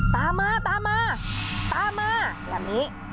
ตามมาตามมาตามมาแบบนี้